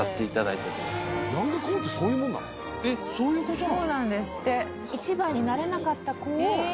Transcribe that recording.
えっそういうことなの？